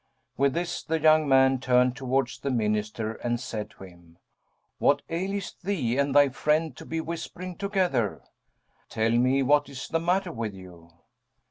With this the young man turned towards the Minister and said to him, "What aileth thee and thy friend to be whispering together? Tell me what is the matter with you."